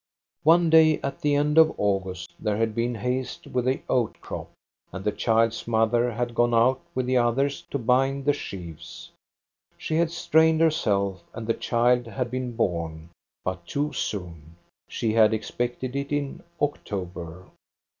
One day at the end of August there had been haste with the oat crop, and the child's mother had gone out with the others to bind the sheaves. She had strained herself, and the child had been born, but too soon. She had expected it in October.